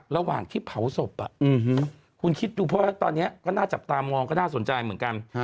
ระหว่างที่เผาศพคุณคิดดูเพราะว่าตอนนี้ก็น่าจับตามองก็น่าสนใจเหมือนกัน